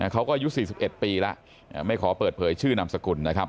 อายุ๔๑ปีแล้วไม่ขอเปิดเผยชื่อนามสกุลนะครับ